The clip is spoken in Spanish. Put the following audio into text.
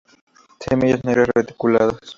Semillas negras, reticuladas.